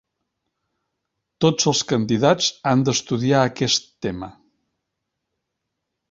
Tots els candidats han d'estudiar aquest tema.